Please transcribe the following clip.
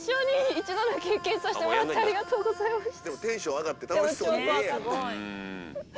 ありがとうございます。